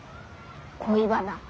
恋バナ。